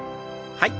はい。